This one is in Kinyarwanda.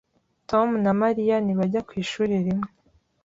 Tom na Mariya ntibajya ku ishuri rimwe.